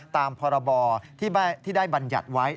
ตามพรบที่ได้บรรยัติไว้